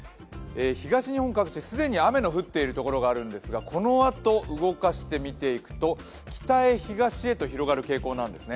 東日本各地、既に雨が降っているところがあるんですがこのあと、動かして見ていくと北へ東へと広がる傾向なんです。